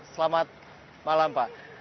selamat malam pak